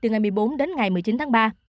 từ ngày một mươi bốn đến ngày một mươi chín tháng ba